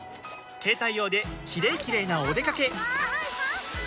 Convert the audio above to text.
携帯用で「キレイキレイ」なおでかけ